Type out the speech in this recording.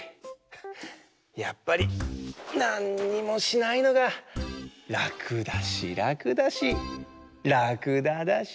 やっぱりなんにもしないのがらくだしらくだしらくだだし。